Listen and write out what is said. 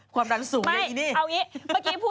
อ๋อยังต้องกดปุ่มอยู่